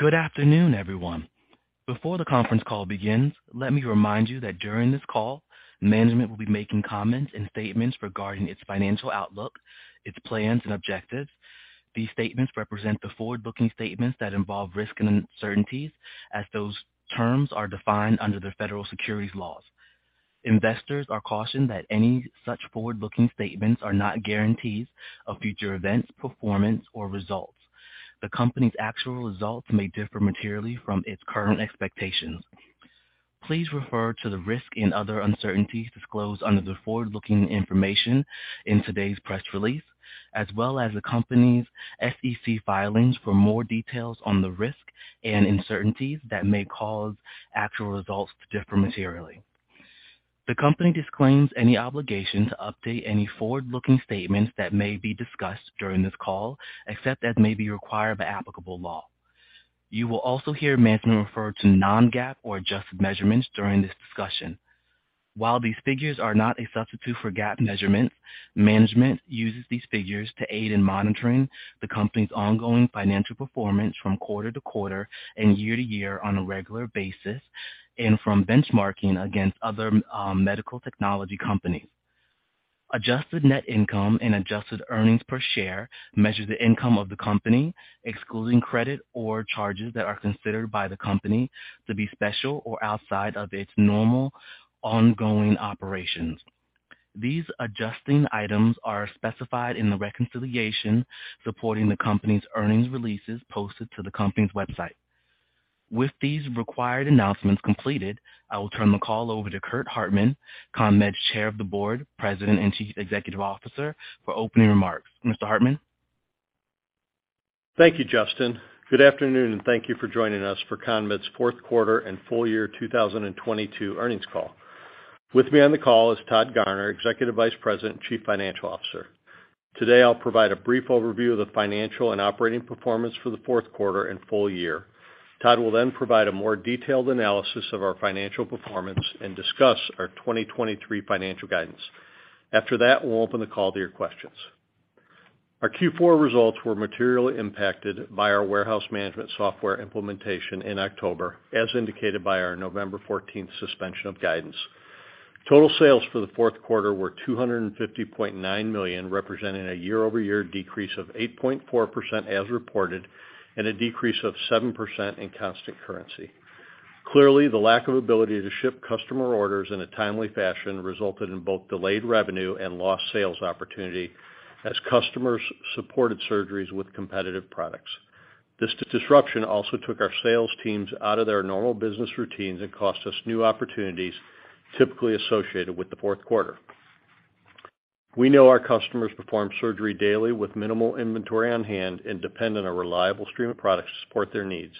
Good afternoon, everyone. Before the conference call begins, let me remind you that during this call, management will be making comments and statements regarding its financial outlook, its plans and objectives. These statements represent the forward-looking statements that involve risks and uncertainties as those terms are defined under the Federal securities laws. Investors are cautioned that any such forward-looking statements are not guarantees of future events, performance or results. The company's actual results may differ materially from its current expectations. Please refer to the risk and other uncertainties disclosed under the forward-looking information in today's press release, as well as the company's SEC filings for more details on the risk and uncertainties that may cause actual results to differ materially. The company disclaims any obligation to update any forward-looking statements that may be discussed during this call, except as may be required by applicable law. You will also hear management refer to non-GAAP or adjusted measurements during this discussion. While these figures are not a substitute for GAAP measurements, management uses these figures to aid in monitoring the company's ongoing financial performance from quarter to quarter and year to year on a regular basis, and from benchmarking against other medical technology companies. Adjusted net income and adjusted earnings per share measure the income of the company, excluding credit or charges that are considered by the company to be special or outside of its normal ongoing operations. These adjusting items are specified in the reconciliation supporting the company's earnings releases posted to the company's website. With these required announcements completed, I will turn the call over to Curt Hartman, CONMED's Chair of the Board, President, and Chief Executive Officer, for opening remarks. Mr. Hartman? Thank you, Justin. Good afternoon, and thank you for joining us for CONMED's fourth quarter and full year 2022 earnings call. With me on the call is Todd Garner, Executive Vice President and Chief Financial Officer. Today, I'll provide a brief overview of the financial and operating performance for the fourth quarter and full year. Todd will then provide a more detailed analysis of our financial performance and discuss our 2023 financial guidance. After that, we'll open the call to your questions. Our Q4 results were materially impacted by our warehouse management software implementation in October, as indicated by our November 14th suspension of guidance. Total sales for the fourth quarter were $250.9 million, representing a year-over-year decrease of 8.4% as reported, and a decrease of 7% in constant currency. Clearly, the lack of ability to ship customer orders in a timely fashion resulted in both delayed revenue and lost sales opportunity as customers supported surgeries with competitive products. This disruption also took our sales teams out of their normal business routines and cost us new opportunities typically associated with the fourth quarter. We know our customers perform surgery daily with minimal inventory on hand and depend on a reliable stream of products to support their needs.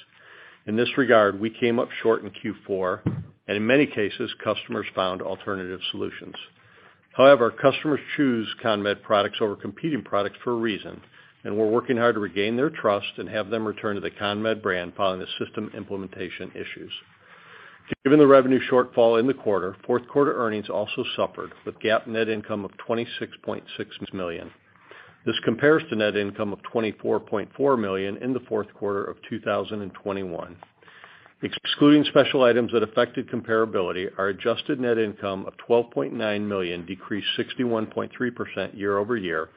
In this regard, we came up short in Q4, and in many cases, customers found alternative solutions. However, customers choose CONMED products over competing products for a reason, and we're working hard to regain their trust and have them return to the CONMED brand following the system implementation issues. Given the revenue shortfall in the quarter, fourth quarter earnings also suffered, with GAAP net income of $26.6 million. This compares to net income of $24.4 million in the fourth quarter of 2021. Excluding special items that affected comparability, our adjusted net income of $12.9 million decreased 61.3% year-over-year,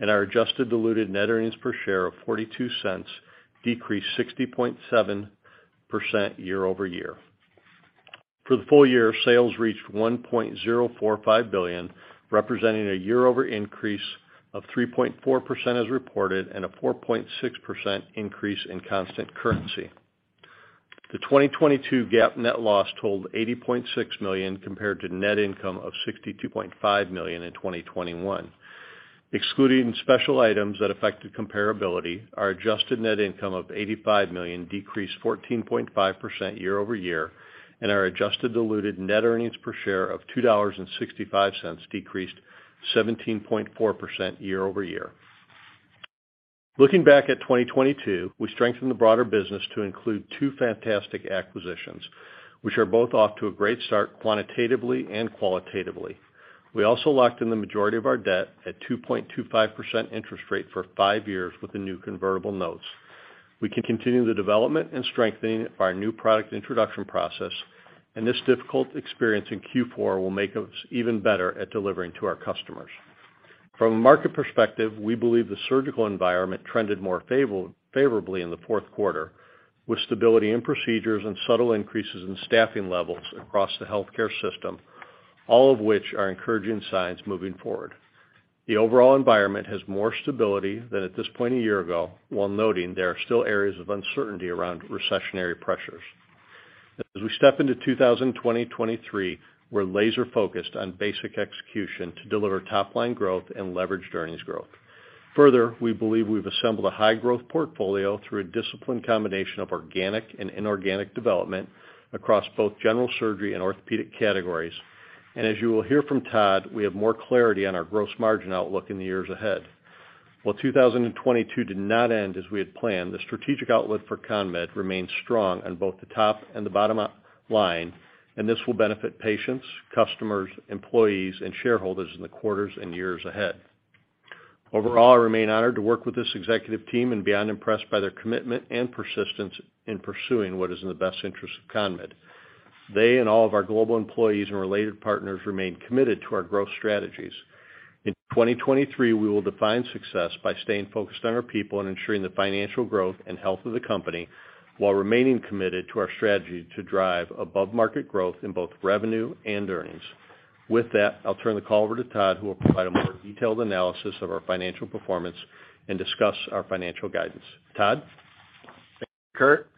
and our adjusted diluted net earnings per share of $0.42 decreased 60.7% year-over-year. For the full year, sales reached $1.045 billion, representing a year-over-year increase of 3.4% as reported and a 4.6% increase in constant currency. The 2022 GAAP net loss totaled $80.6 million compared to net income of $62.5 million in 2021. Excluding special items that affected comparability, our adjusted net income of $85 million decreased 14.5% year-over-year. Our adjusted diluted net earnings per share of $2.65 decreased 17.4% year-over-year. Looking back at 2022, we strengthened the broader business to include two fantastic acquisitions, which are both off to a great start quantitatively and qualitatively. We also locked in the majority of our debt at 2.25% interest rate for five years with the new convertible notes. We can continue the development and strengthening of our new product introduction process. This difficult experience in Q4 will make us even better at delivering to our customers. From a market perspective, we believe the surgical environment trended more favorably in the fourth quarter, with stability in procedures and subtle increases in staffing levels across the healthcare system, all of which are encouraging signs moving forward. The overall environment has more stability than at this point a year ago, while noting there are still areas of uncertainty around recessionary pressures. As we step into 2023, we're laser-focused on basic execution to deliver top-line growth and leverage earnings growth. Further, we believe we've assembled a high-growth portfolio through a disciplined combination of organic and inorganic development across both general surgery and orthopedic categories. As you will hear from Todd, we have more clarity on our gross margin outlook in the years ahead. While 2022 did not end as we had planned, the strategic outlook for CONMED remains strong on both the top and the bottom line, and this will benefit patients, customers, employees, and shareholders in the quarters and years ahead. Overall, I remain honored to work with this executive team and beyond impressed by their commitment and persistence in pursuing what is in the best interest of CONMED. They and all of our global employees and related partners remain committed to our growth strategies. In 2023, we will define success by staying focused on our people and ensuring the financial growth and health of the company while remaining committed to our strategy to drive above-market growth in both revenue and earnings. With that, I'll turn the call over to Todd, who will provide a more detailed analysis of our financial performance and discuss our financial guidance. Todd? Curt.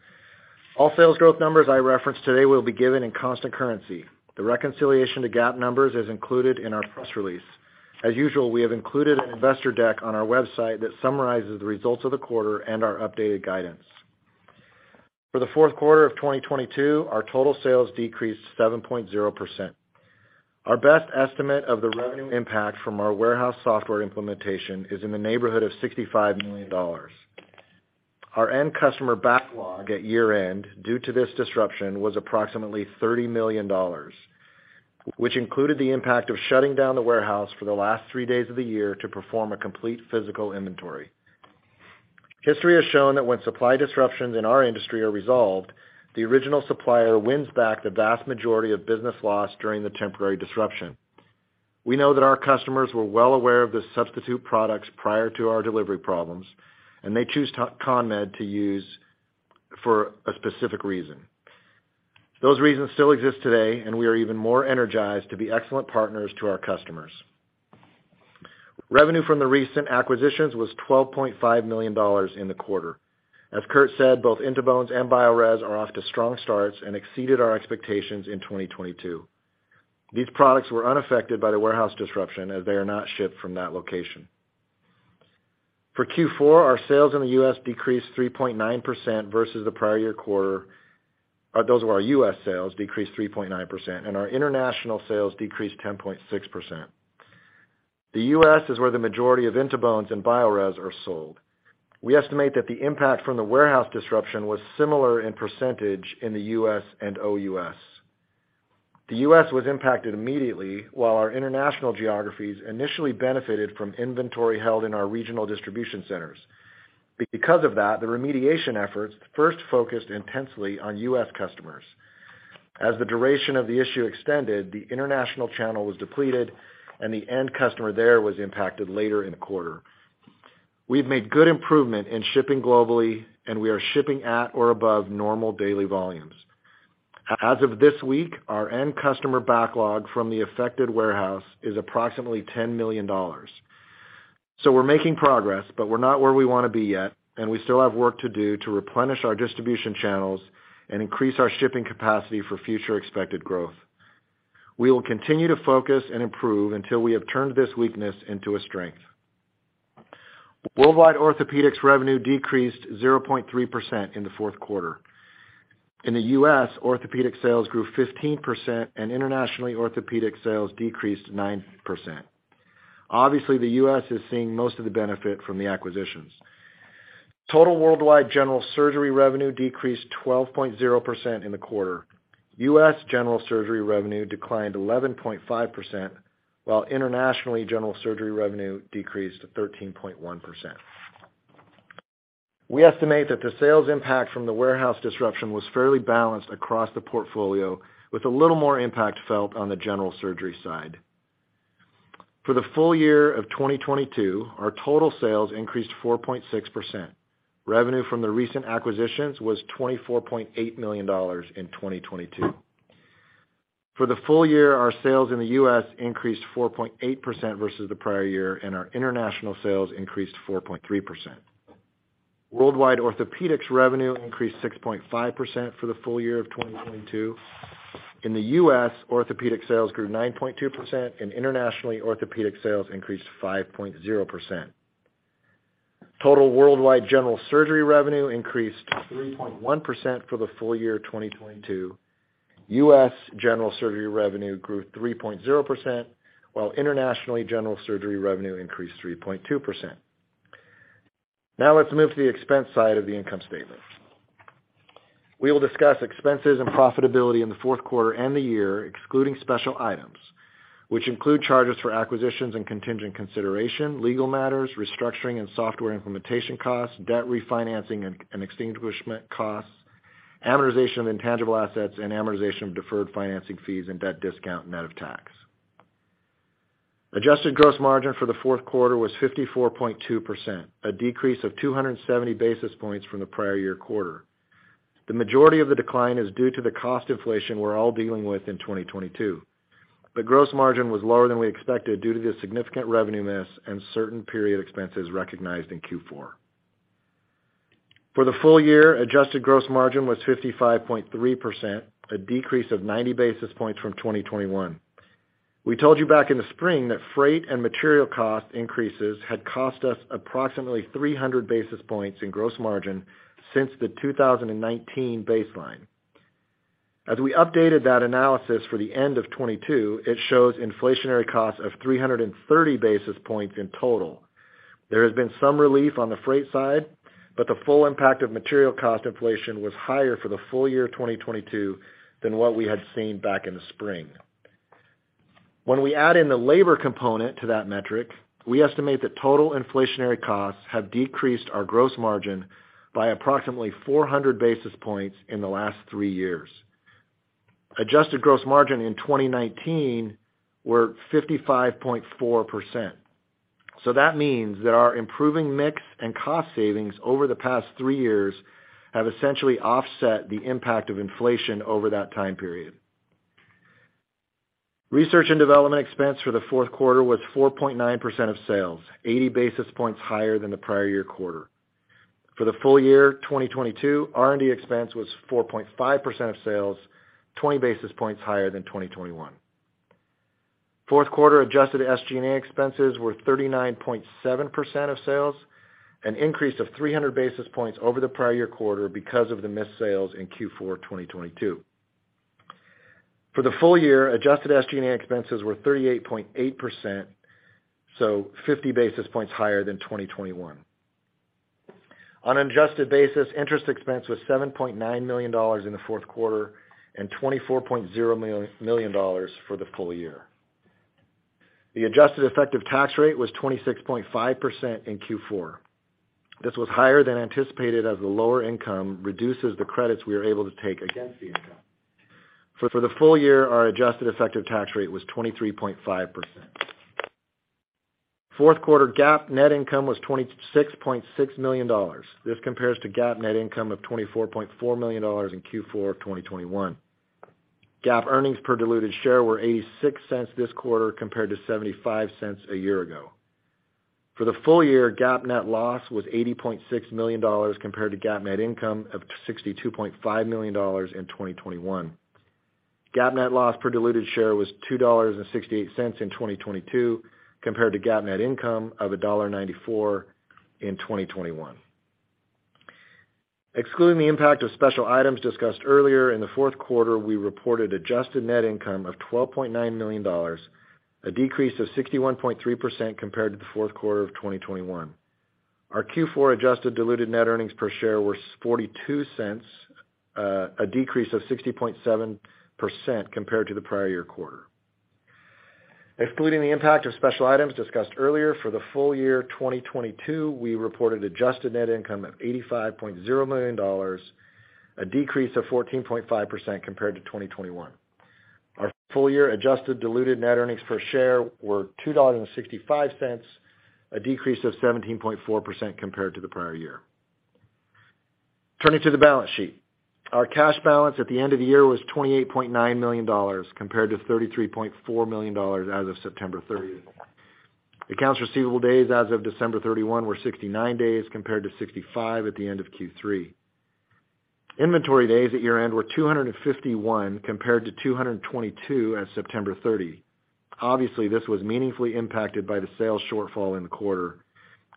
All sales growth numbers I reference today will be given in constant currency. The reconciliation to GAAP numbers is included in our press release. As usual, we have included an investor deck on our website that summarizes the results of the quarter and our updated guidance. For the fourth quarter of 2022, our total sales decreased 7.0%. Our best estimate of the revenue impact from our warehouse software implementation is in the neighborhood of $65 million. Our end customer backlog at year-end, due to this disruption, was approximately $30 million, which included the impact of shutting down the warehouse for the last three days of the year to perform a complete physical inventory. History has shown that when supply disruptions in our industry are resolved, the original supplier wins back the vast majority of business lost during the temporary disruption. We know that our customers were well aware of the substitute products prior to our delivery problems, and they choose CONMED to use for a specific reason. Those reasons still exist today, and we are even more energized to be excellent partners to our customers. Revenue from the recent acquisitions was $12.5 million in the quarter. As Curt said, both In2Bones and Biorez are off to strong starts and exceeded our expectations in 2022. These products were unaffected by the warehouse disruption, as they are not shipped from that location. For Q4, our sales in the U.S. decreased 3.9% versus the prior year quarter. Those were our U.S. sales, decreased 3.9%, and our international sales decreased 10.6%. The U.S. is where the majority of In2Bones and Biorez are sold. We estimate that the impact from the warehouse disruption was similar in % in the U.S. and OUS. The U.S. was impacted immediately, while our international geographies initially benefited from inventory held in our regional distribution centers. The remediation efforts first focused intensely on U.S. customers. As the duration of the issue extended, the international channel was depleted, and the end customer there was impacted later in the quarter. We've made good improvement in shipping globally, we are shipping at or above normal daily volumes. As of this week, our end customer backlog from the affected warehouse is approximately $10 million. We're making progress, we're not where we wanna be yet, we still have work to do to replenish our distribution channels and increase our shipping capacity for future expected growth. We will continue to focus and improve until we have turned this weakness into a strength. Worldwide orthopedics revenue decreased 0.3% in the fourth quarter. In the U.S., orthopedic sales grew 15%, and internationally, orthopedic sales decreased 9%. Obviously, the U.S. is seeing most of the benefit from the acquisitions. Total worldwide general surgery revenue decreased 12.0% in the quarter. U.S. general surgery revenue declined 11.5%, while internationally, general surgery revenue decreased to 13.1%. We estimate that the sales impact from the warehouse disruption was fairly balanced across the portfolio with a little more impact felt on the general surgery side. For the full year of 2022, our total sales increased 4.6%. Revenue from the recent acquisitions was $24.8 million in 2022. For the full year, our sales in the U.S. increased 4.8% versus the prior year. Our international sales increased 4.3%. Worldwide Orthopedics revenue increased 6.5% for the full year of 2022. In the U.S., Orthopedics sales grew 9.2%. Internationally, Orthopedics sales increased 5.0%. Total worldwide General Surgery revenue increased 3.1% for the full year of 2022. U.S. General Surgery revenue grew 3.0%, while internationally, General Surgery revenue increased 3.2%. Let's move to the expense side of the income statement. We will discuss expenses and profitability in the fourth quarter and the year, excluding special items, which include charges for acquisitions and contingent consideration, legal matters, restructuring and software implementation costs, debt refinancing and extinguishment costs, amortization of intangible assets, and amortization of deferred financing fees and debt discount net of tax. Adjusted gross margin for the fourth quarter was 54.2%, a decrease of 270 basis points from the prior year quarter. The majority of the decline is due to the cost inflation we're all dealing with in 2022. The gross margin was lower than we expected due to the significant revenue miss and certain period expenses recognized in Q4. For the full year, adjusted gross margin was 55.3%, a decrease of 90 basis points from 2021. We told you back in the spring that freight and material cost increases had cost us approximately 300 basis points in gross margin since the 2019 baseline. We updated that analysis for the end of 2022, it shows inflationary costs of 330 basis points in total. There has been some relief on the freight side, the full impact of material cost inflation was higher for the full year of 2022 than what we had seen back in the spring. When we add in the labor component to that metric, we estimate that total inflationary costs have decreased our gross margin by approximately 400 basis points in the last three years. Adjusted gross margin in 2019 were 55.4%. That means that our improving mix and cost savings over the past three years have essentially offset the impact of inflation over that time period. Research and development expense for the fourth quarter was 4.9% of sales, 80 basis points higher than the prior year quarter. For the full year 2022, R&D expense was 4.5% of sales, 20 basis points higher than 2021. Fourth quarter adjusted SG&A expenses were 39.7% of sales, an increase of 300 basis points over the prior year quarter because of the missed sales in Q4 2022. For the full year, adjusted SG&A expenses were 38.8%, 50 basis points higher than 2021. On an adjusted basis, interest expense was $7.9 million in the fourth quarter and $24.0 million for the full year. The adjusted effective tax rate was 26.5% in Q4. This was higher than anticipated as the lower income reduces the credits we are able to take against the income. For the full year, our adjusted effective tax rate was 23.5%. Fourth quarter GAAP net income was $26.6 million. This compares to GAAP net income of $24.4 million in Q4 of 2021. GAAP earnings per diluted share were $0.86 this quarter compared to $0.75 a year ago. For the full year, GAAP net loss was $80.6 million compared to GAAP net income of $62.5 million in 2021. GAAP net loss per diluted share was $2.68 in 2022 compared to GAAP net income of $1.94 in 2021. Excluding the impact of special items discussed earlier, in the fourth quarter, we reported adjusted net income of $12.9 million, a decrease of 61.3% compared to the fourth quarter of 2021. Our Q4 adjusted diluted net earnings per share was $0.42, a decrease of 60.7% compared to the prior year quarter. Excluding the impact of special items discussed earlier, for the full year 2022, we reported adjusted net income of $85.0 million, a decrease of 14.5% compared to 2021. Our full year adjusted diluted net earnings per share were $2.65, a decrease of 17.4% compared to the prior year. Turning to the balance sheet. Our cash balance at the end of the year was $28.9 million, compared to $33.4 million as of September 30. Accounts receivable days as of December 31 were 69 days, compared to 65 at the end of Q3. Inventory days at year-end were 251, compared to 222 as September 30. Obviously, this was meaningfully impacted by the sales shortfall in the quarter.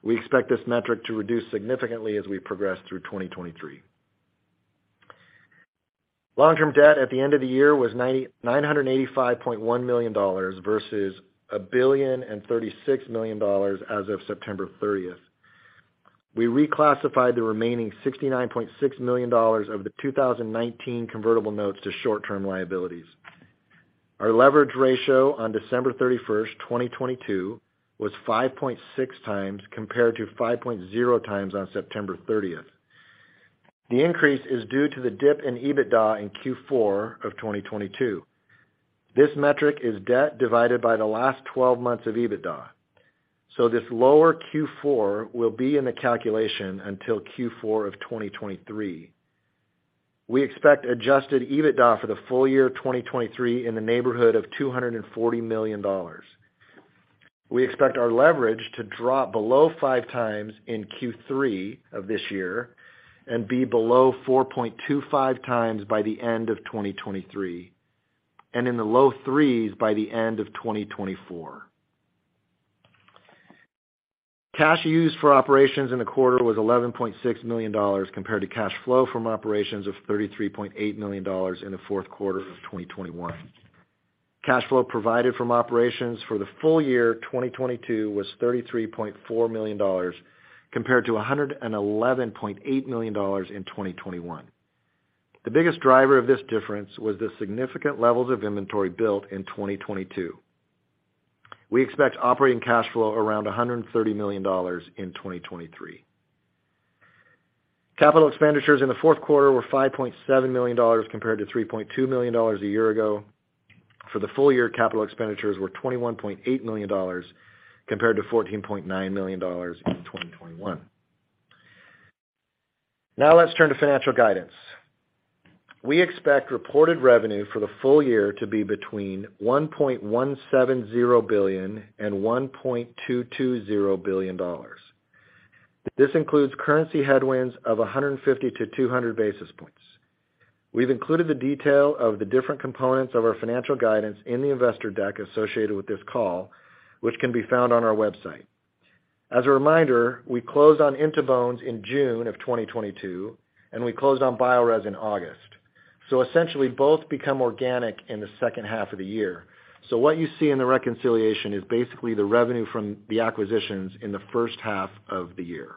We expect this metric to reduce significantly as we progress through 2023. Long-term debt at the end of the year was $985.1 million versus $1.036 billion as of September 30. We reclassified the remaining $69.6 million of the 2019 convertible notes to short-term liabilities. Our leverage ratio on December 31st, 2022 was 5.6x compared to 5.0x on September 30th. The increase is due to the dip in EBITDA in Q4 of 2022. This metric is debt divided by the last 12 months of EBITDA, so this lower Q4 will be in the calculation until Q4 of 2023. We expect Adjusted EBITDA for the full year 2023 in the neighborhood of $240 million. We expect our leverage to drop below 5x in Q3 of this year and be below 4.25x by the end of 2023, and in the low 3x by the end of 2024. Cash used for operations in the quarter was $11.6 million compared to cash flow from operations of $33.8 million in the fourth quarter of 2021. Cash flow provided from operations for the full year 2022 was $33.4 million compared to $111.8 million in 2021. The biggest driver of this difference was the significant levels of inventory built in 2022. We expect operating cash flow around $130 million in 2023. Capital expenditures in the fourth quarter were $5.7 million compared to $3.2 million a year ago. For the full year, capital expenditures were $21.8 million compared to $14.9 million in 2021. Now let's turn to financial guidance. We expect reported revenue for the full year to be between $1.170 billion and $1.220 billion. This includes currency headwinds of 150 to 200 basis points. We've included the detail of the different components of our financial guidance in the investor deck associated with this call, which can be found on our website. As a reminder, we closed on In2Bones in June of 2022, and we closed on Biorez in August. Essentially both become organic in the second half of the year. What you see in the reconciliation is basically the revenue from the acquisitions in the first half of the year.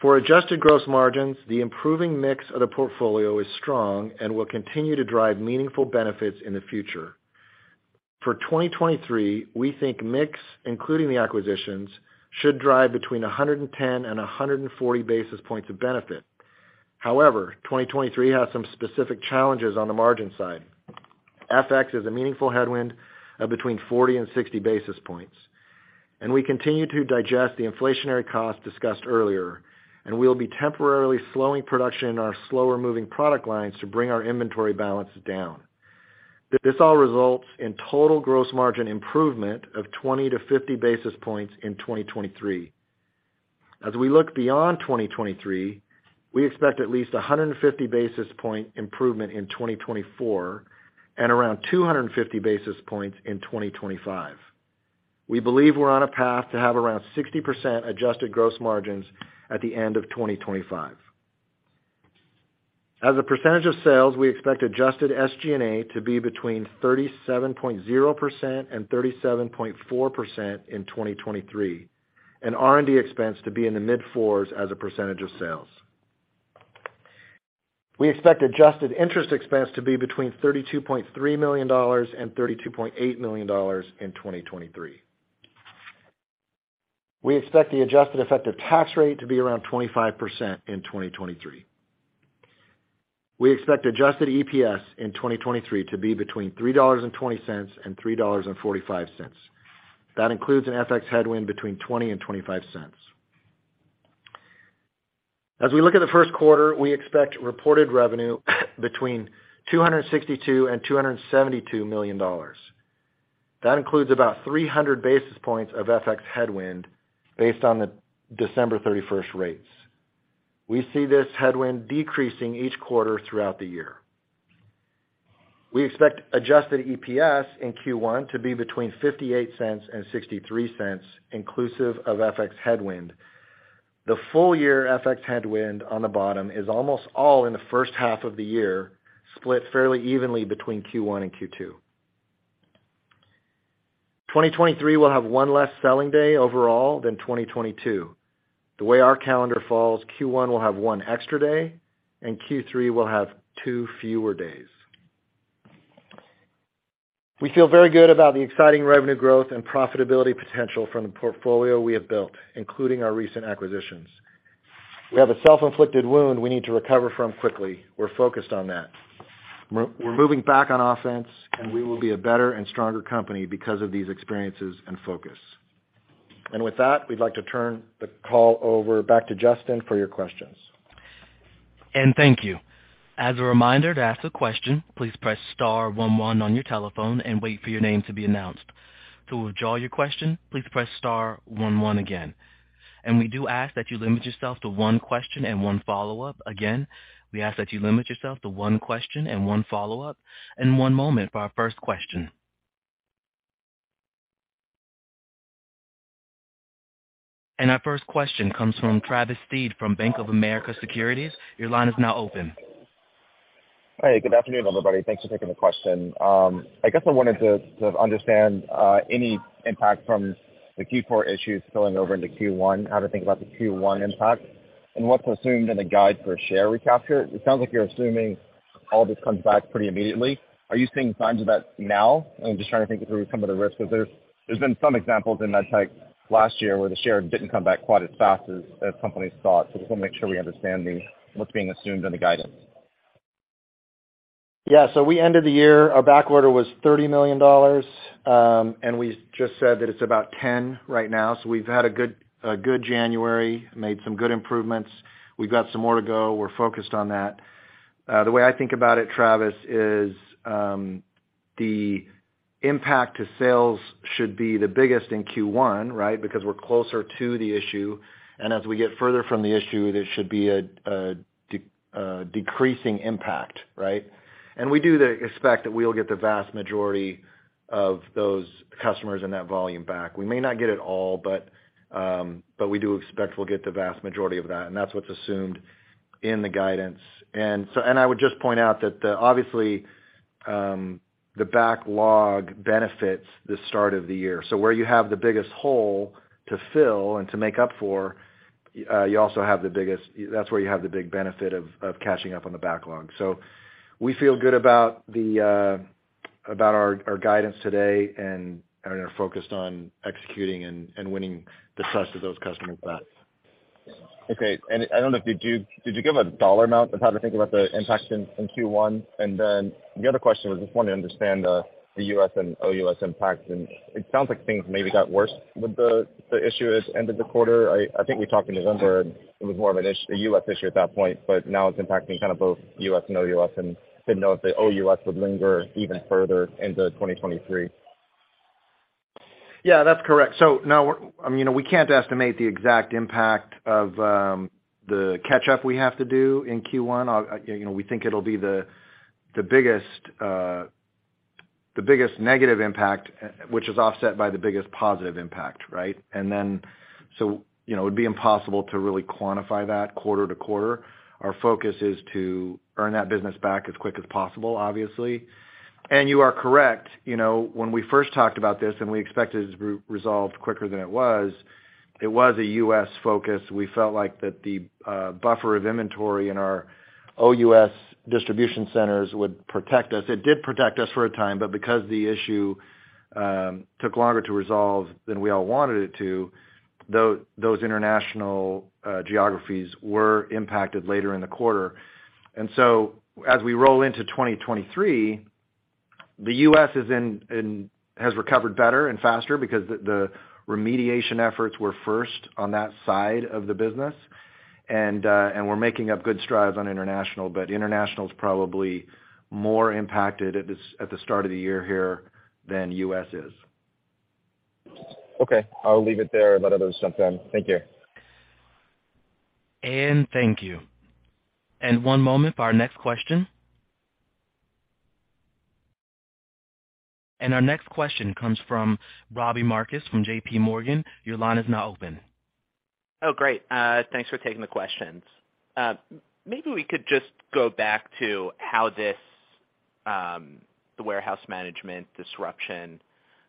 For adjusted gross margins, the improving mix of the portfolio is strong and will continue to drive meaningful benefits in the future. For 2023, we think mix, including the acquisitions, should drive between 110 and 140 basis points of benefit. 2023 has some specific challenges on the margin side. FX is a meaningful headwind of between 40 and 60 basis points. We continue to digest the inflationary costs discussed earlier. We will be temporarily slowing production in our slower-moving product lines to bring our inventory balances down. This all results in total gross margin improvement of 20 to 50 basis points in 2023. We look beyond 2023, we expect at least 150 basis point improvement in 2024 and around 250 basis points in 2025. We believe we're on a path to have around 60% adjusted gross margins at the end of 2025. As a percentage of sales, we expect adjusted SG&A to be between 37.0% and 37.4% in 2023, and R&D expense to be in the mid-fours as a percentage of sales. We expect adjusted interest expense to be between $32.3 million and $32.8 million in 2023. We expect the adjusted effective tax rate to be around 25% in 2023. We expect adjusted EPS in 2023 to be between $3.20 and $3.45. That includes an FX headwind between $0.20 and $0.25. As we look at the first quarter, we expect reported revenue between $262 million and $272 million. That includes about 300 basis points of FX headwind based on the December 31st rates. We see this headwind decreasing each quarter throughout the year. We expect adjusted EPS in Q1 to be between $0.58 and $0.63 inclusive of FX headwind. The full-year FX headwind on the bottom is almost all in the first half of the year, split fairly evenly between Q1 and Q2. 2023 will have one less selling day overall than 2022. The way our calendar falls, Q1 will have one extra day, and Q3 will have two fewer days. We feel very good about the exciting revenue growth and profitability potential from the portfolio we have built, including our recent acquisitions. We have a self-inflicted wound we need to recover from quickly. We're focused on that. We're moving back on offense. We will be a better and stronger company because of these experiences and focus. With that, we'd like to turn the call over back to Justin for your questions. Thank you. As a reminder, to ask a question, please press Star One One on your telephone and wait for your name to be announced. To withdraw your question, please press Star One One again. We do ask that you limit yourself to one question and one follow-up. Again, we ask that you limit yourself to one question and one follow-up. One moment for our first question. Our first question comes from Travis Steed from Bank of America Securities. Your line is now open. Hey. Good afternoon, everybody. Thanks for taking the question. I guess I wanted to understand any impact from the Q4 issues filling over into Q1, how to think about the Q1 impact and what's assumed in the guide for share recapture. It sounds like you're assuming all this comes back pretty immediately. Are you seeing signs of that now? I'm just trying to think through some of the risks. There's been some examples in med tech last year where the share didn't come back quite as fast as companies thought. I just wanna make sure we understand what's being assumed in the guidance. We ended the year. Our backorder was $30 million, and we just said that it's about 10 right now. We've had a good, a good January, made some good improvements. We've got some more to go. We're focused on that. The way I think about it, Travis, is, the impact to sales should be the biggest in Q1, right? Because we're closer to the issue, and as we get further from the issue, there should be a decreasing impact, right? We do expect that we'll get the vast majority of those customers and that volume back. We may not get it all, but we do expect we'll get the vast majority of that, and that's what's assumed in the guidance. I would just point out that the, obviously, the backlog benefits the start of the year. Where you have the biggest hole to fill and to make up for, you also have the biggest That's where you have the big benefit of catching up on the backlog. We feel good about the, about our guidance today and are focused on executing and winning the rest of those customers back. Okay. I don't know if you Did you give a dollar amount of how to think about the impact in Q1? The other question was just wanted to understand the US and OUS impact. It sounds like things maybe got worse with the issue as end of the quarter. I think we talked in November, and it was more of a US issue at that point, but now it's impacting kind of both US and OUS and didn't know if the OUS would linger even further into 2023? Yeah that's correct. We can't estimate the exact impact of the catch-up we have to do in Q1. We think it'll be the biggest negative impact, which is offset by the biggest positive impact, right? It would be impossible to really quantify that quarter-to-quarter. Our focus is to earn that business back as quick as possible, obviously. And you are correct, when we first talked about this and we expected it to be resolved quicker than it was, it was a U.S. focus. We felt like the buffer of inventory in our OUS distribution centers would protect us. It did protect us for a time. Because the issue took longer to resolve than we all wanted it to, those international geographies were impacted later in the quarter. As we roll into 2023, the U.S. has recovered better and faster because the remediation efforts were first on that side of the business. We're making up good strides on international. International is probably more impacted at the start of the year here than U.S. is. Okay. I'll leave it there and let others jump in. Thank you. Thank you. One moment for our next question. Our next question comes from Robbie Marcus from J.P. Morgan. Your line is now open. Oh, great. Thanks for taking the questions. Maybe we could just go back to how this, the warehouse management disruption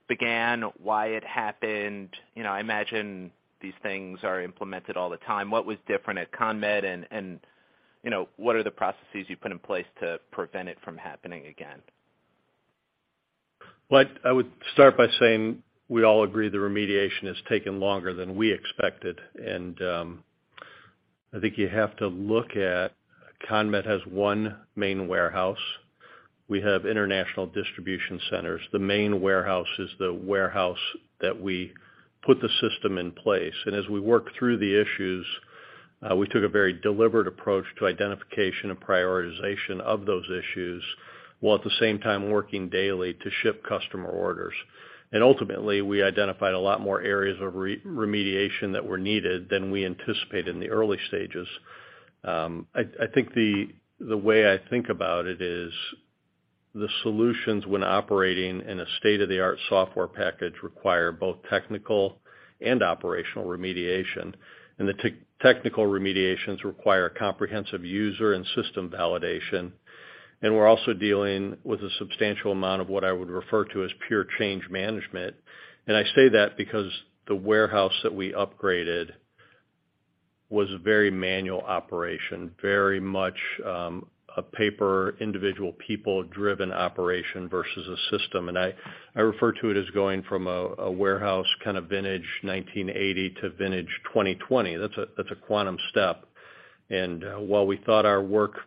began, why it happened. You know, I imagine these things are implemented all the time. What was different at CONMED and, you know, what are the processes you put in place to prevent it from happening again? I would start by saying we all agree the remediation has taken longer than we expected. I think you have to look at CONMED has one main warehouse. We have international distribution centers. The main warehouse is the warehouse that we put the system in place. As we work through the issues, we took a very deliberate approach to identification and prioritization of those issues, while at the same time working daily to ship customer orders. Ultimately, we identified a lot more areas of remediation that were needed than we anticipated in the early stages. I think the way I think about it is the solutions when operating in a state-of-the-art software package require both technical and operational remediation, and the technical remediations require comprehensive user and system validation. We're also dealing with a substantial amount of what I would refer to as pure change management. I say that because the warehouse that we upgraded was a very manual operation, very much, a paper, individual people-driven operation versus a system. I refer to it as going from a warehouse kind of vintage 1980 to vintage 2020. That's a quantum step. While we thought our work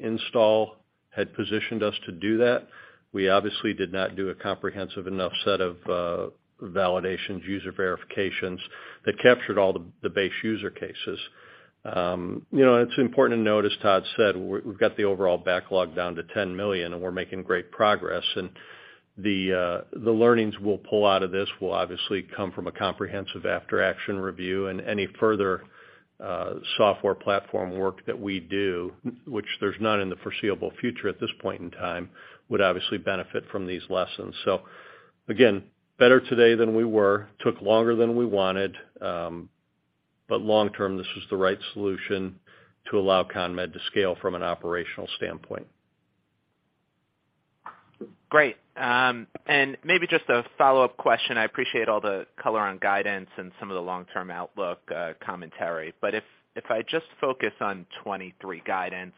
pre-install had positioned us to do that, we obviously did not do a comprehensive enough set of validations, user verifications that captured all the base user cases. You know, it's important to note, as Todd said, we've got the overall backlog down to $10 million, and we're making great progress. The learnings we'll pull out of this will obviously come from a comprehensive after action review and any further software platform work that we do, which there's none in the foreseeable future at this point in time, would obviously benefit from these lessons. Again, better today than we were. Took longer than we wanted, but long term, this was the right solution to allow CONMED to scale from an operational standpoint. Great. Maybe just a follow-up question. I appreciate all the color on guidance and some of the long-term outlook commentary. If I just focus on 2023 guidance,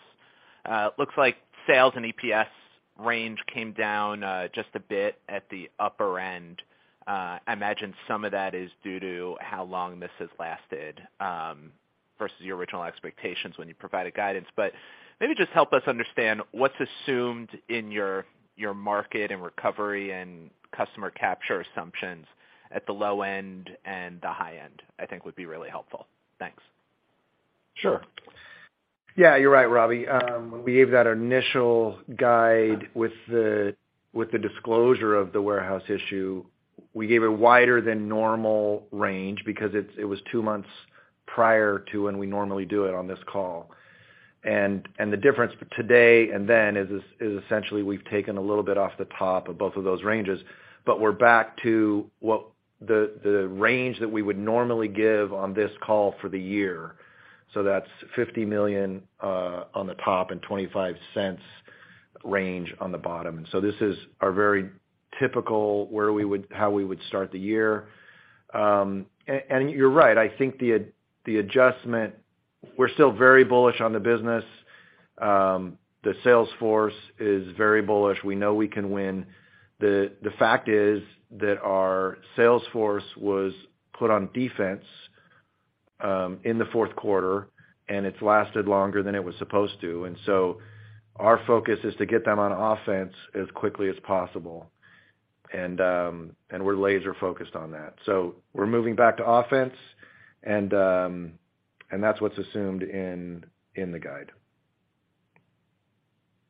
it looks like sales and EPS range came down just a bit at the upper end. I imagine some of that is due to how long this has lasted versus your original expectations when you provided guidance. Maybe just help us understand what's assumed in your market and recovery and customer capture assumptions at the low end and the high end, I think would be really helpful. Thanks. Sure. Yeah, you're right, Robbie. When we gave that initial guide with the disclosure of the warehouse issue, we gave a wider than normal range because it was two months prior to when we normally do it on this call. The difference today and then is essentially we've taken a little bit off the top of both of those ranges, but we're back to what the range that we would normally give on this call for the year. That's $50 million on the top and $0.25 range on the bottom. This is our very typical how we would start the year. And you're right. I think the adjustment, we're still very bullish on the business. The sales force is very bullish. We know we can win. The fact is that our sales force was put on defense, in the fourth quarter, and it's lasted longer than it was supposed to. Our focus is to get them on offense as quickly as possible. We're laser focused on that. We're moving back to offense, and that's what's assumed in the guide.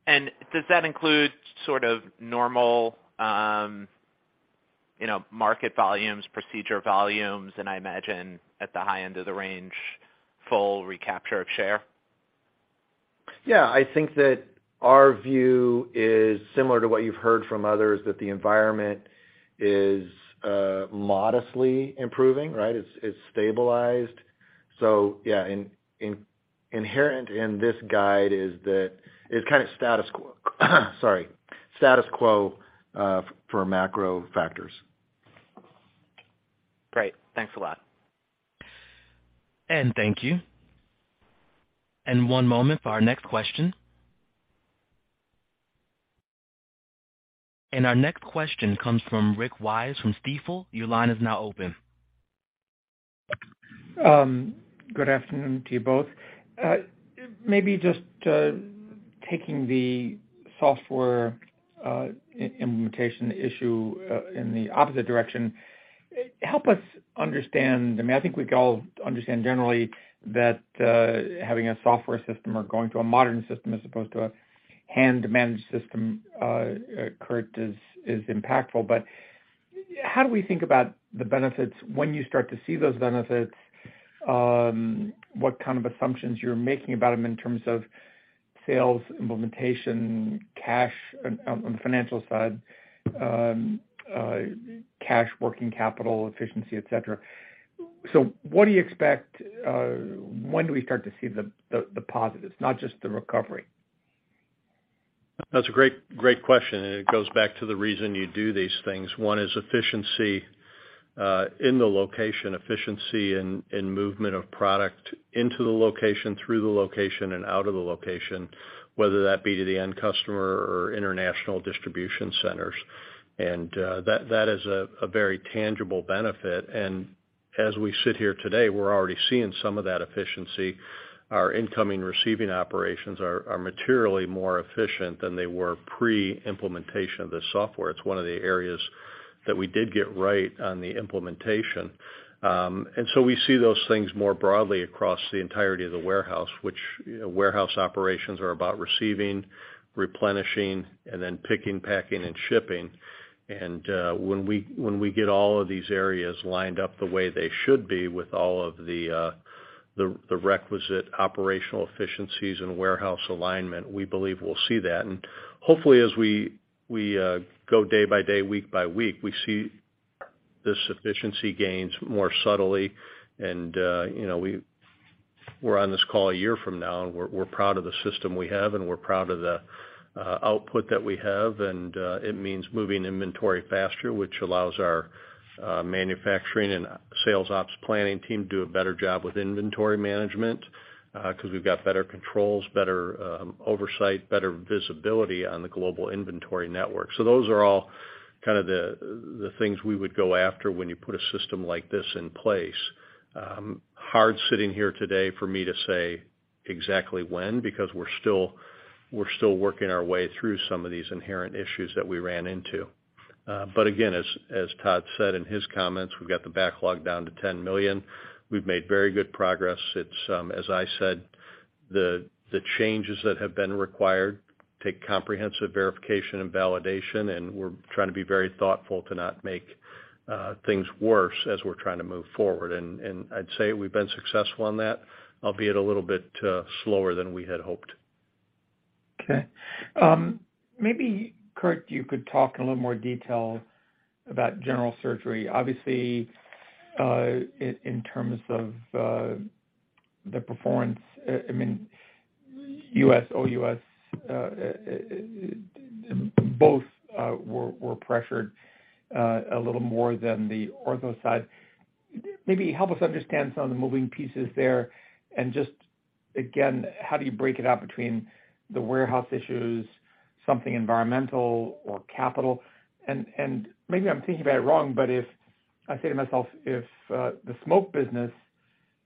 Does that include sort of normal, you know, market volumes, procedure volumes, and I imagine at the high end of the range, full recapture of share? Yeah. I think that our view is similar to what you've heard from others, that the environment is modestly improving, right? It's stabilized. So yeah, in inherent in this guide is that it's kind of status quo, sorry, status quo, for macro factors. Great. Thanks a lot. Thank you. One moment for our next question. Our next question comes from Rick Wise from Stifel. Your line is now open. Good afternoon to you both. Maybe just taking the software implementation issue in the opposite direction, help us understand... I mean, I think we can all understand generally that having a software system or going to a modern system as opposed to a hand-managed system, Curt, is impactful. How do we think about the benefits when you start to see those benefits? What kind of assumptions you're making about them in terms of sales, implementation, cash on the financial side, cash, working capital efficiency, et cetera. What do you expect? When do we start to see the positives, not just the recovery? That's a great question, and it goes back to the reason you do these things. One is efficiency in the location, efficiency in movement of product into the location, through the location, and out of the location, whether that be to the end customer or international distribution centers. That is a very tangible benefit. As we sit here today, we're already seeing some of that efficiency. Our incoming receiving operations are materially more efficient than they were pre-implementation of the software. It's one of the areas that we did get right on the implementation. We see those things more broadly across the entirety of the warehouse, which, warehouse operations are about receiving, replenishing, and then picking, packing, and shipping. When we get all of these areas lined up the way they should be with all of the requisite operational efficiencies and warehouse alignment, we believe we'll see that. Hopefully, as we go day by day, week by week, we see this efficiency gains more subtly. You know, we're on this call a year from now, and we're proud of the system we have, and we're proud of the output that we have. It means moving inventory faster, which allows our manufacturing and sales ops planning team to do a better job with inventory management, because we've got better controls, better oversight, better visibility on the global inventory network. Those are all kind of the things we would go after when you put a system like this in place. Hard sitting here today for me to say exactly when, because we're still working our way through some of these inherent issues that we ran into. Again, as Todd said in his comments, we've got the backlog down to $10 million. We've made very good progress. It's, as I said, the changes that have been required take comprehensive verification and validation, and we're trying to be very thoughtful to not make things worse as we're trying to move forward. I'd say we've been successful on that, albeit a little bit slower than we had hoped. Okay. Maybe, Curt, you could talk in a little more detail about general surgery. Obviously, in terms of the performance, I mean, U.S., OUS, both were pressured a little more than the ortho side. Maybe help us understand some of the moving pieces there and just again, how do you break it out between the warehouse issues, something environmental or capital? Maybe I'm thinking about it wrong, but if I say to myself, if the smoke business,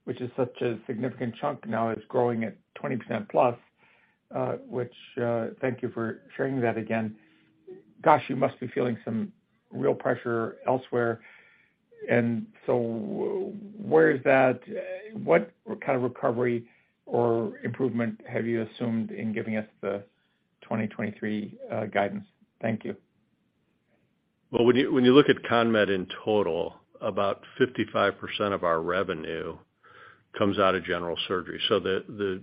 which is such a significant chunk now, is growing at 20% plus, which, thank you for sharing that again, gosh, you must be feeling some real pressure elsewhere. Where is that? What kind of recovery or improvement have you assumed in giving us the 2023 guidance? Thank you. When you, when you look at CONMED in total, about 55% of our revenue comes out of general surgery. The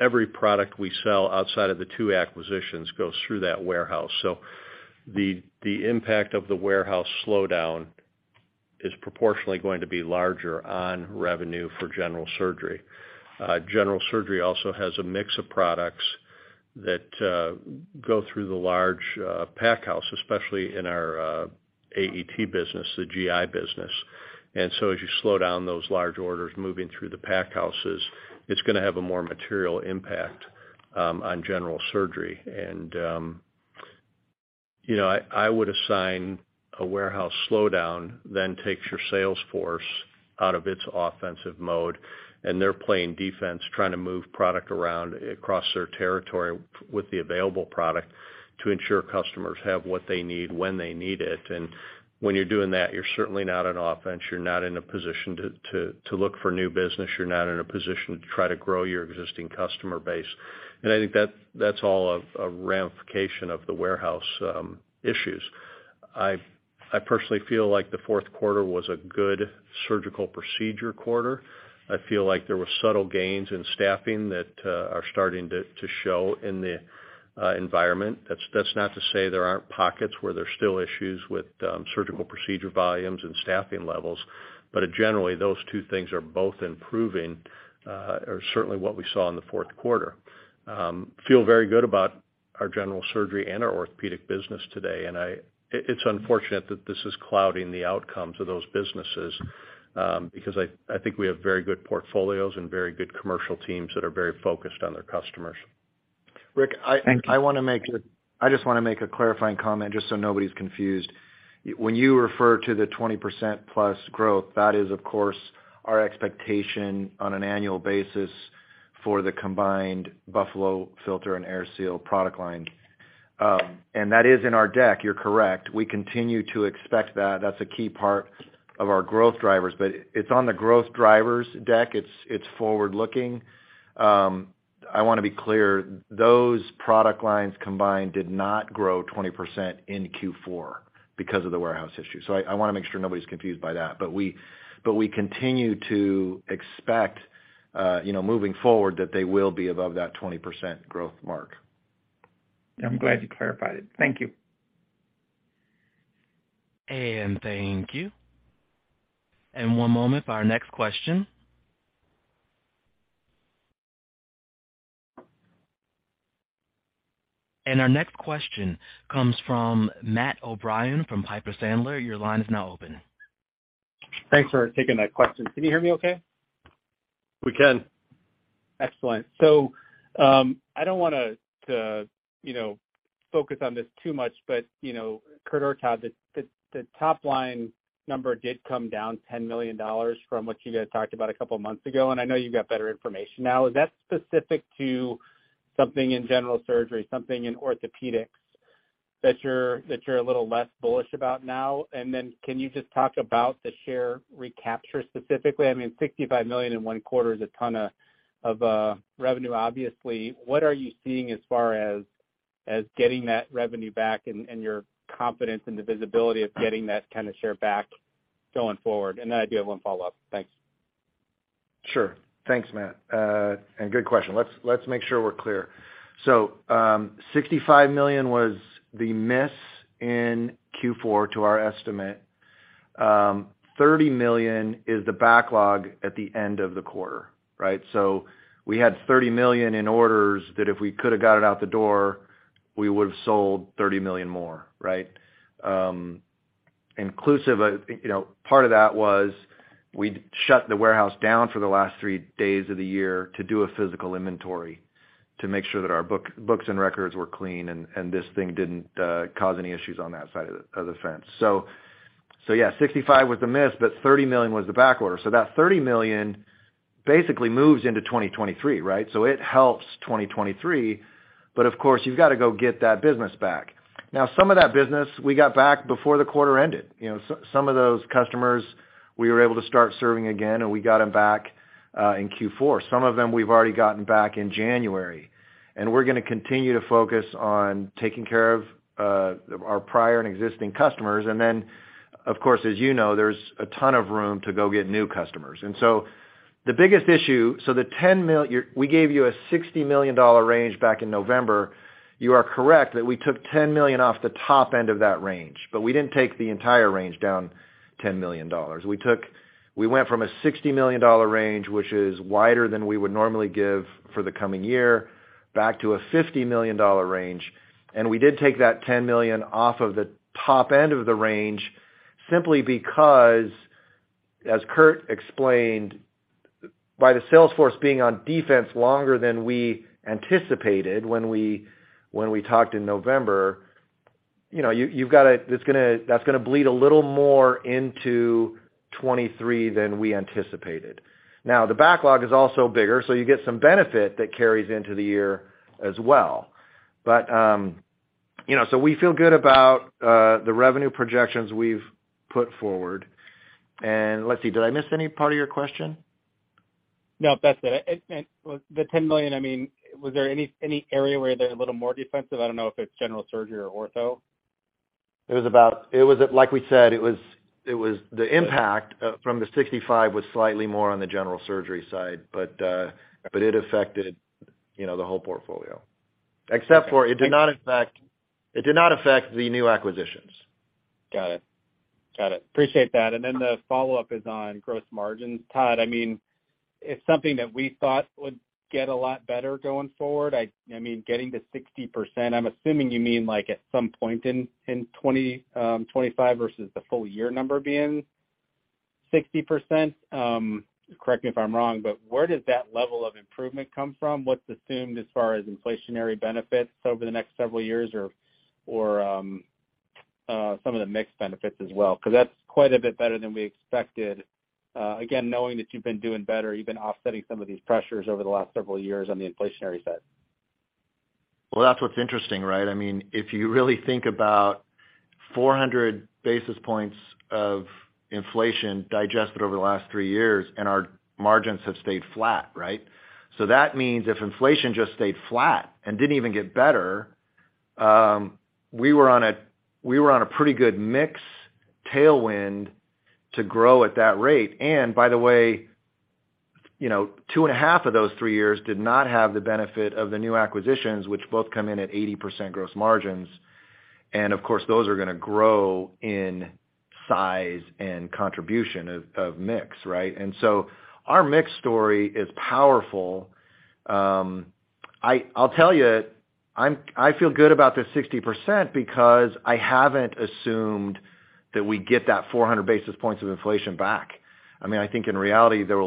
every product we sell outside of the two acquisitions goes through that warehouse. The impact of the warehouse slowdown is proportionally going to be larger on revenue for general surgery. General surgery also has a mix of products that go through the large pack house, especially in our AET business, the GI business. As you slow down those large orders moving through the pack houses, it's gonna have a more material impact on general surgery. You know, I would assign a warehouse slowdown then takes your sales force out of its offensive mode, and they're playing defense, trying to move product around across their territory with the available product to ensure customers have what they need when they need it. When you're doing that, you're certainly not on offense. You're not in a position to look for new business. You're not in a position to try to grow your existing customer base. I think that's all a ramification of the warehouse issues. I personally feel like the fourth quarter was a good surgical procedure quarter. I feel like there were subtle gains in staffing that are starting to show in the environment. That's, that's not to say there aren't pockets where there's still issues with surgical procedure volumes and staffing levels. Generally, those two things are both improving, or certainly what we saw in the fourth quarter. Feel very good about our general surgery and our orthopedic business today. It's unfortunate that this is clouding the outcomes of those businesses, because I think we have very good portfolios and very good commercial teams that are very focused on their customers. Rick. Thank you. I just wanna make a clarifying comment just so nobody's confused. When you refer to the 20% plus growth, that is, of course, our expectation on an annual basis for the combined Buffalo Filter and AirSeal product line. That is in our deck, you're correct. We continue to expect that's a key part of our growth drivers. It's on the growth drivers deck. It's forward-looking. I wanna be clear, those product lines combined did not grow 20% in Q4 because of the warehouse issue. I wanna make sure nobody's confused by that. We continue to expect, you know, moving forward that they will be above that 20% growth mark. I'm glad you clarified it. Thank you. Thank you. One moment for our next question. Our next question comes from Matt O'Brien from Piper Sandler. Your line is now open. Thanks for taking my question. Can you hear me okay? We can. Excellent. I don't wanna to, you know, focus on this too much, you know, Curt or Todd, the top line number did come down $10 million from what you guys talked about a couple months ago, and I know you've got better information now. Is that specific to something in general surgery, something in orthopedics that you're a little less bullish about now? Can you just talk about the share recapture specifically? I mean, $65 million in one quarter is a ton of revenue, obviously. What are you seeing as far as getting that revenue back and your confidence in the visibility of getting that kind of share back going forward? I do have one follow-up. Thanks. Sure. Thanks, Matt. Good question. Let's make sure we're clear. $65 million was the miss in Q4 to our estimate. $30 million is the backlog at the end of the quarter, right? We had $30 million in orders that if we could have got it out the door, we would've sold $30 million more, right? Inclusive of, you know, part of that was we'd shut the warehouse down for the last three days of the year to do a physical inventory to make sure that our books and records were clean and this thing didn't cause any issues on that side of the fence. So yeah, $65 was the miss, but $30 million was the back order. That $30 million basically moves into 2023, right? It helps 2023, but of course, you've got to go get that business back. Some of that business we got back before the quarter ended. You know, so some of those customers we were able to start serving again, and we got them back in Q4. Some of them we've already gotten back in January. We're gonna continue to focus on taking care of our prior and existing customers. Then, of course, as you know, there's a ton of room to go get new customers. We gave you a $60 million range back in November. You are correct that we took $10 million off the top end of that range, but we didn't take the entire range down $10 million. We took... We went from a $60 million range, which is wider than we would normally give for the coming year, back to a $50 million range. We did take that $10 million off of the top end of the range simply because, as Curt explained, by the sales force being on defense longer than we anticipated when we talked in November, you know, that's gonna bleed a little more into 2023 than we anticipated. The backlog is also bigger, so you get some benefit that carries into the year as well. You know, we feel good about the revenue projections we've put forward. Let's see, did I miss any part of your question? No, that's it. And the $10 million, I mean, was there any area where they're a little more defensive? I don't know if it's general surgery or ortho. It was, like we said, it was the impact from the 65 was slightly more on the general surgery side, but it affected, you know, the whole portfolio. Except for it did not affect the new acquisitions. Got it. Got it. Appreciate that. The follow-up is on gross margins. Todd, I mean, it's something that we thought would get a lot better going forward. I mean, getting to 60%, I'm assuming you mean like at some point in 2025 versus the full year number being 60%. Correct me if I'm wrong, where does that level of improvement come from? What's assumed as far as inflationary benefits over the next several years or some of the mixed benefits as well? That's quite a bit better than we expected. Again, knowing that you've been doing better, you've been offsetting some of these pressures over the last several years on the inflationary side. Well, that's what's interesting, right? I mean, if you really think about 400 basis points of inflation digested over the last three years, our margins have stayed flat, right? That means if inflation just stayed flat and didn't even get better, we were on a pretty good mix tailwind to grow at that rate. By the way, you know, two and a half of those three years did not have the benefit of the new acquisitions, which both come in at 80% gross margins. Of course, those are gonna grow in size and contribution of mix, right? Our mix story is powerful. I'll tell you, I feel good about the 60% because I haven't assumed that we get that 400 basis points of inflation back. I mean, I think in reality, there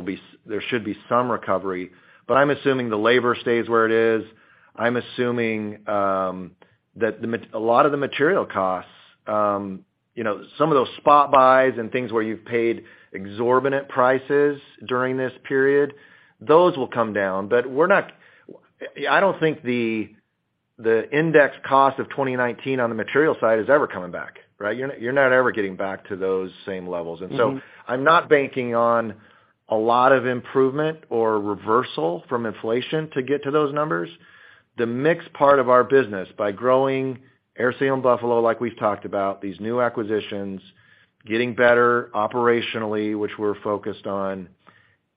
should be some recovery, but I'm assuming the labor stays where it is. I'm assuming that a lot of the material costs, you know, some of those spot buys and things where you've paid exorbitant prices during this period, those will come down. I don't think the index cost of 2019 on the material side is ever coming back, right? You're not ever getting back to those same levels. Mm-hmm. I'm not banking on a lot of improvement or reversal from inflation to get to those numbers. The mix part of our business by growing AirSeal and Buffalo, like we've talked about, these new acquisitions, getting better operationally, which we're focused on,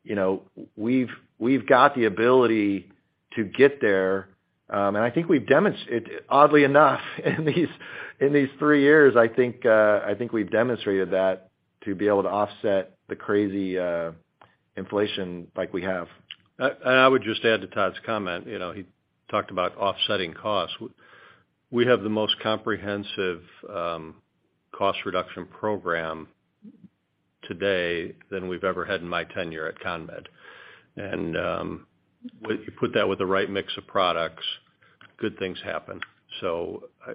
you know, we've got the ability to get there. I think we've demonstrated oddly enough, in these, in these three years, I think we've demonstrated that to be able to offset the crazy inflation like we have. I would just add to Todd's comment. You know, he talked about offsetting costs. We have the most comprehensive, cost reduction program today than we've ever had in my tenure at CONMED. Put that with the right mix of products, good things happen. I,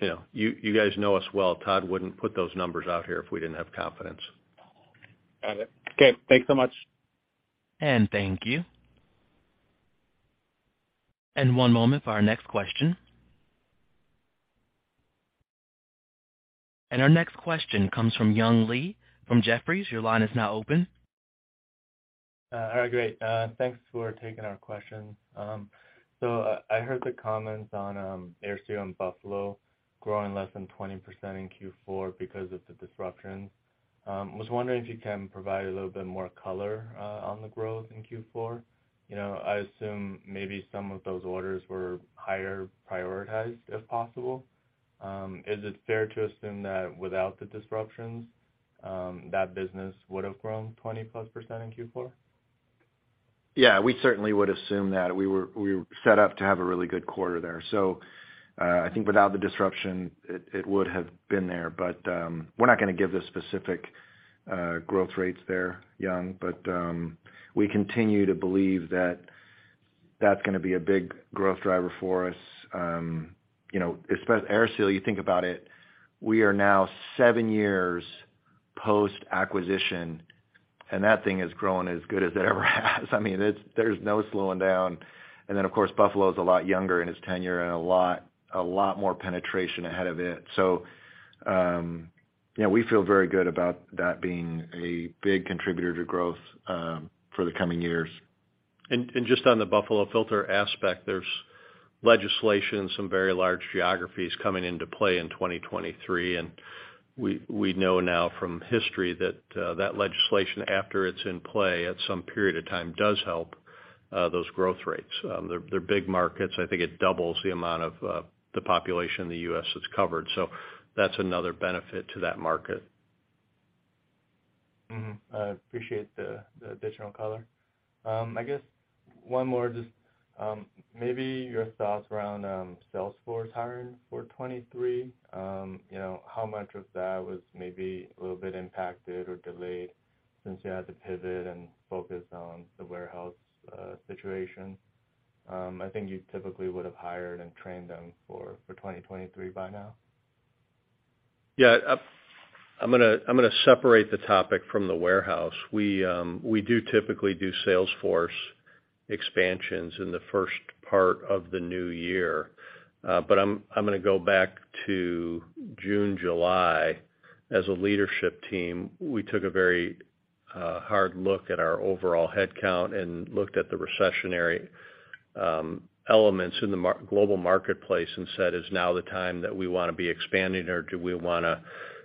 you know, you guys know us well. Todd wouldn't put those numbers out here if we didn't have confidence. Got it. Okay, thanks so much. Thank you. One moment for our next question. Our next question comes from Young Li from Jefferies. Your line is now open. All right, great. Thanks for taking our question. I heard the comments on AirSeal and Buffalo growing less than 20% in Q4 because of the disruption. Was wondering if you can provide a little bit more color on the growth in Q4. You know, I assume maybe some of those orders were higher prioritized, if possible. Is it fair to assume that without the disruptions, that business would have grown 20%+ in Q4? Yeah, we certainly would assume that. We were set up to have a really good quarter there. I think without the disruption, it would have been there. We're not gonna give the specific growth rates there, Young. We continue to believe that that's gonna be a big growth driver for us. You know, AirSeal, you think about it, we are now seven years post-acquisition, and that thing has grown as good as it ever has. I mean, there's no slowing down. Of course, Buffalo is a lot younger in his tenure and a lot more penetration ahead of it. Yeah, we feel very good about that being a big contributor to growth for the coming years. Just on the Buffalo Filter aspect, there's legislation, some very large geographies coming into play in 2023. We know now from history that legislation after it's in play at some period of time does help those growth rates. They're big markets. I think it doubles the amount of the population in the U.S. that's covered. That's another benefit to that market. I appreciate the additional color. I guess one more just, maybe your thoughts around sales force hiring for 2023. you know, how much of that was maybe a little bit impacted or delayed since you had to pivot and focus on the warehouse situation? I think you typically would have hired and trained them for 2023 by now. Yeah. I'm gonna separate the topic from the warehouse. We do typically do sales force expansions in the first part of the new year. I'm gonna go back to June, July. As a leadership team, we took a very hard look at our overall headcount and looked at the recessionary elements in the global marketplace and said, "Is now the time that we wanna be expanding or do we wanna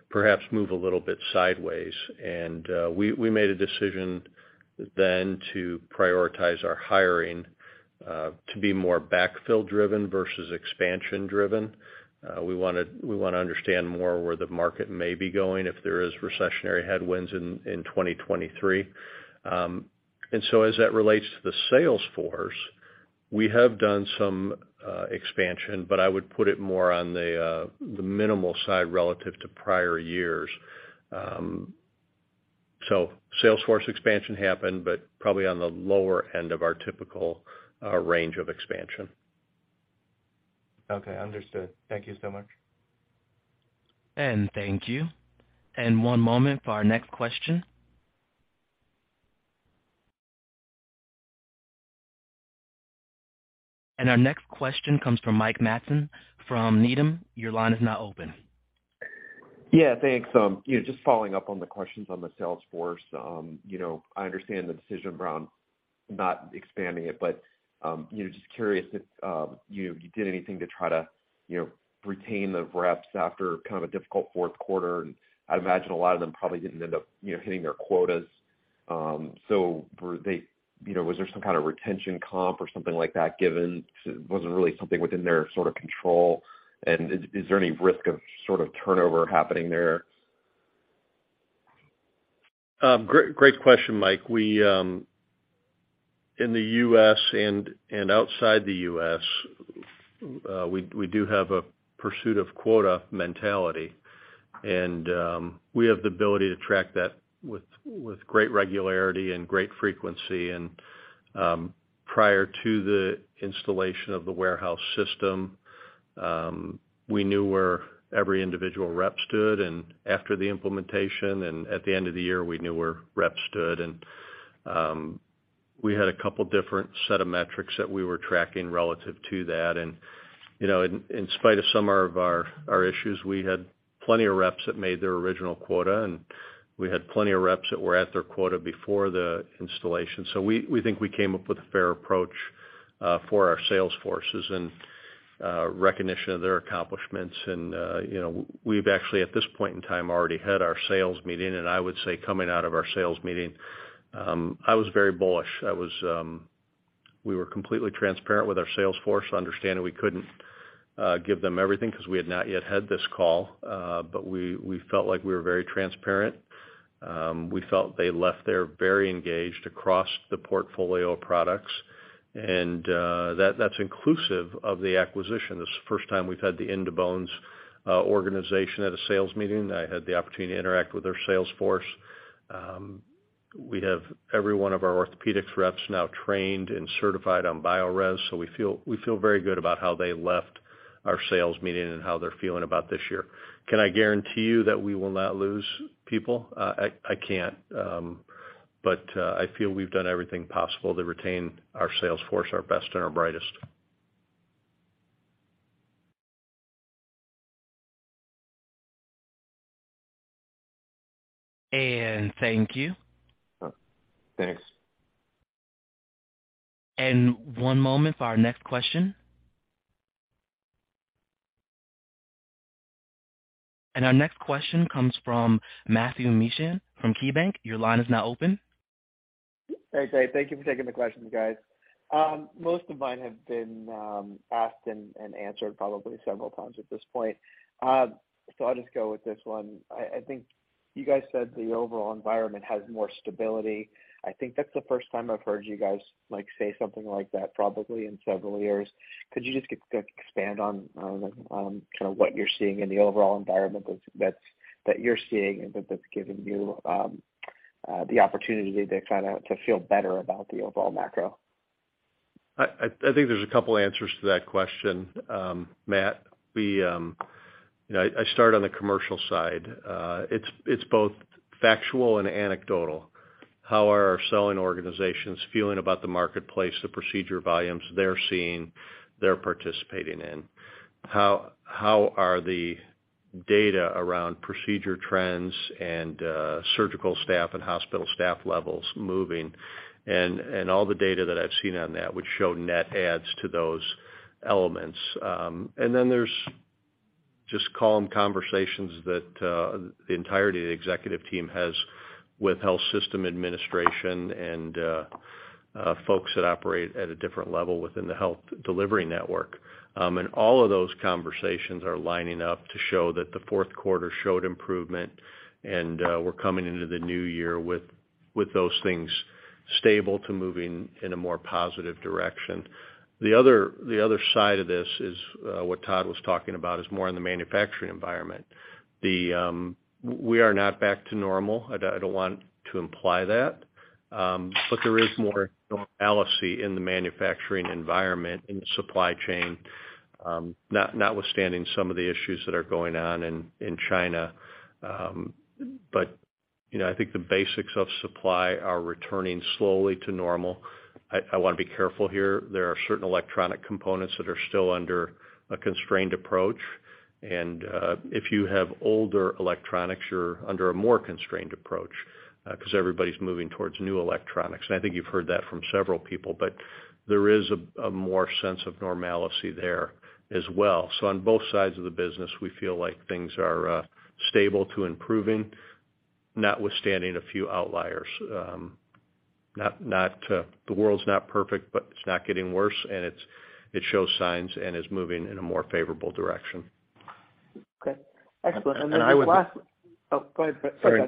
perhaps move a little bit sideways?" We made a decision then to prioritize our hiring to be more backfill-driven versus expansion-driven. We wanna understand more where the market may be going if there is recessionary headwinds in 2023. As that relates to the sales force, we have done some expansion, but I would put it more on the minimal side relative to prior years. sales force expansion happened, but probably on the lower end of our typical range of expansion. Okay, understood. Thank you so much. Thank you. One moment for our next question. Our next question comes from Mike Matson from Needham. Your line is now open. Yeah, thanks. You know, just following up on the questions on the sales force. You know, I understand the decision around not expanding it, but, you know, just curious if, you know, you did anything to try to, you know, retain the reps after kind of a difficult fourth quarter. I'd imagine a lot of them probably didn't end up, you know, hitting their quotas. Was there some kind of retention comp or something like that given to wasn't really something within their sort of control? Is there any risk of sort of turnover happening there? Great, great question, Mike. We, in the U.S. and outside the U.S., we do have a pursuit of quota mentality, we have the ability to track that with great regularity and great frequency. Prior to the installation of the warehouse system, we knew where every individual rep stood, and after the implementation and at the end of the year, we knew where reps stood. We had a couple different set of metrics that we were tracking relative to that. You know, in spite of some of our issues, we had plenty of reps that made their original quota, and we had plenty of reps that were at their quota before the installation. We think we came up with a fair approach for our sales forces and recognition of their accomplishments. You know, we've actually, at this point in time, already had our sales meeting. I would say coming out of our sales meeting, I was very bullish. I was, we were completely transparent with our sales force, understanding we couldn't give them everything because we had not yet had this call. But we felt like we were very transparent. We felt they left there very engaged across the portfolio of products. That's inclusive of the acquisition. This is the first time we've had the In2Bones organization at a sales meeting. I had the opportunity to interact with their sales force. We have every one of our orthopedics reps now trained and certified on Biorez, so we feel very good about how they left our sales meeting and how they're feeling about this year. Can I guarantee you that we will not lose people? I can't. I feel we've done everything possible to retain our sales force, our best and our brightest. Thank you. Thanks. One moment for our next question. Our next question comes from Matthew Miksic from KeyBanc. Your line is now open. Hey, great. Thank you for taking the questions, guys. Most of mine have been asked and answered probably several times at this point. I'll just go with this one. I think you guys said the overall environment has more stability. I think that's the first time I've heard you guys, like, say something like that, probably in several years. Could you just expand on kind of what you're seeing in the overall environment that's, that you're seeing and that's giving you the opportunity to kind of, to feel better about the overall macro? I think there's a couple answers to that question, Matt. We, you know, I start on the commercial side. It's, it's both factual and anecdotal. How are our selling organizations feeling about the marketplace, the procedure volumes they're seeing, they're participating in? How are the data around procedure trends and surgical staff and hospital staff levels moving? All the data that I've seen on that would show net adds to those elements. Then there's just calm conversations that the entirety of the executive team has with health system administration and folks that operate at a different level within the health delivery network. All of those conversations are lining up to show that the fourth quarter showed improvement, and we're coming into the new year with those things stable to moving in a more positive direction. The other side of this is what Todd was talking about, is more in the manufacturing environment. We are not back to normal. I don't want to imply that. There is more normalcy in the manufacturing environment, in the supply chain, not withstanding some of the issues that are going on in China. You know, I think the basics of supply are returning slowly to normal. I wanna be careful here. There are certain electronic components that are still under a constrained approach. If you have older electronics, you're under a more constrained approach, because everybody's moving towards new electronics, and I think you've heard that from several people. There is a more sense of normalcy there as well. On both sides of the business, we feel like things are stable to improving, notwithstanding a few outliers. The world's not perfect, but it's not getting worse, and it's, it shows signs and is moving in a more favorable direction. Okay. Excellent. Then just last-. And I would- Oh, go ahead, go ahead. Sorry.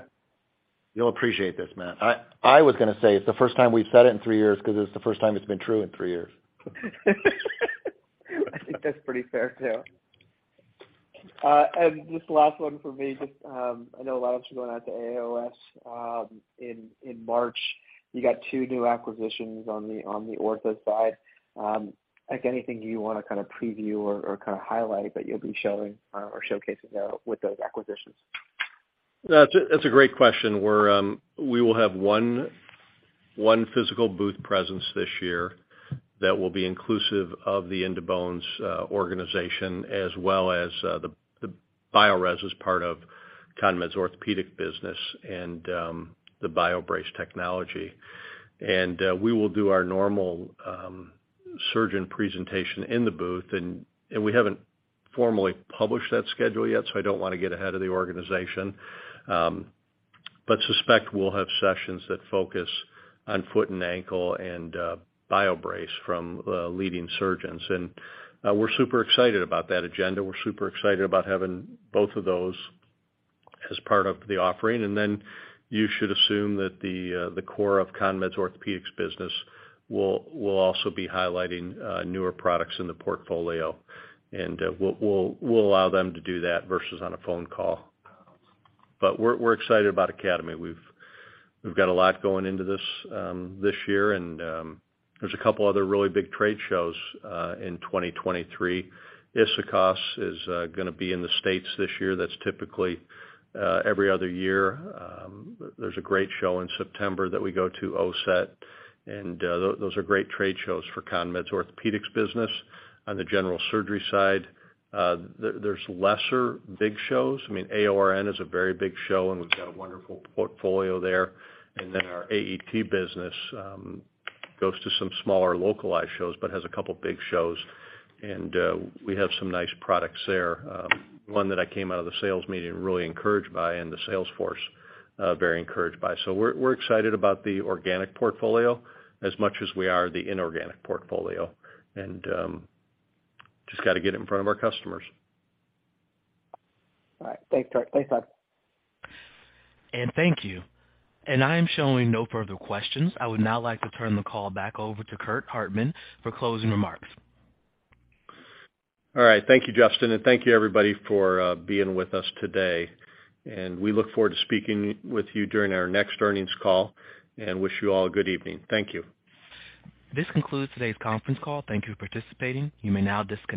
You'll appreciate this, Matt. I was gonna say it's the first time we've said it in three years because it's the first time it's been true in three years. I think that's pretty fair too. Just the last one for me, just, I know a lot of you are going out to AAOS, in March. You got two new acquisitions on the, on the ortho side. Like anything you wanna kinda preview or kinda highlight that you'll be showing, or showcasing there with those acquisitions? That's a great question. We're, we will have one physical booth presence this year that will be inclusive of the In2Bones organization as well as the Biorez as part of CONMED's Orthopedic business and the BioBrace technology. We will do our normal surgeon presentation in the booth and we haven't formally published that schedule yet, so I don't wanna get ahead of the organization. Suspect we'll have sessions that focus on foot and ankle and BioBrace from leading surgeons. We're super excited about that agenda. We're super excited about having both of those as part of the offering. You should assume that the core of CONMED's Orthopedics business will also be highlighting newer products in the portfolio, and we'll allow them to do that versus on a phone call. We're excited about Academy. We've got a lot going into this year and there's a couple other really big trade shows in 2023. ISAKOS is gonna be in the States this year. That's typically every other year. There's a great show in September that we go to, OSET, and those are great trade shows for CONMED's Orthopedics business. On the general surgery side, I mean, AORN is a very big show, and we've got a wonderful portfolio there. Our AED business goes to some smaller localized shows but has a couple of big shows, and we have some nice products there. One that I came out of the sales meeting really encouraged by and the sales force very encouraged by. We're, we're excited about the organic portfolio as much as we are the inorganic portfolio, and just gotta get it in front of our customers. All right. Thanks, Kurt. Thanks, guys. Thank you. I am showing no further questions. I would now like to turn the call back over to Curt Hartman for closing remarks. All right. Thank you, Justin, and thank you everybody for being with us today, and we look forward to speaking with you during our next earnings call and wish you all a good evening. Thank you. This concludes today's conference call. Thank you for participating. You may now disconnect.